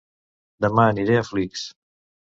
Dema aniré a Flix